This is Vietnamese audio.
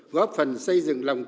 góp phần xây dựng lòng tin